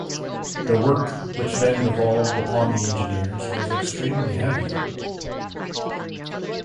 The work which then devolved upon the engineers was extremely heavy.